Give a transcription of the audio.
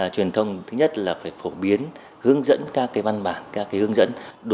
truyền thông thứ nhất là phải phổ biến hướng dẫn các văn bản các hướng dẫn